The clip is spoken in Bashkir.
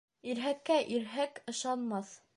Ирһәккә ирһәк ышанмаҫ.